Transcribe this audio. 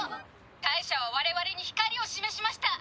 大社は我々に光を示しました。